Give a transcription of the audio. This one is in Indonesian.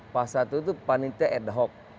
pasal satu itu panitia ad hoc